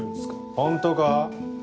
本当か？